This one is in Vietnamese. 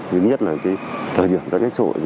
nhưng nhất là cái thời điểm đã kết sội